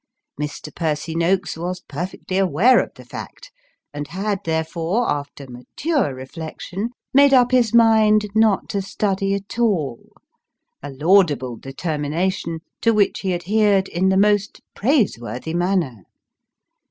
Mr. Percy Noakes was perfectly aware of the fact, and had, therefore, after mature reflection, made up his mind not to study at all a laudable determination, to which he adhered in the most praise worthy manner.